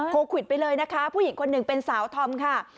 โควิดไปเลยนะคะผู้หญิงคนหนึ่งเป็นสาวธอมค่ะ